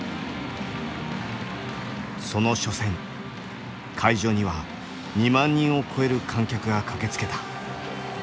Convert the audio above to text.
その初戦会場には２万人を超える観客が駆けつけた。